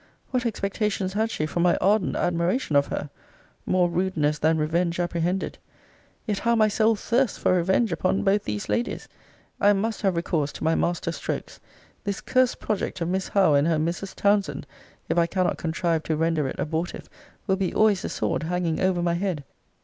What expectations had she from my ardent admiration of her! More rudeness than revenge apprehended. Yet, how my soul thirsts for revenge upon both these ladies? I must have recourse to my master strokes. This cursed project of Miss Howe and her Mrs. Townsend (if I cannot contrive to render it abortive) will be always a sword hanging over my head.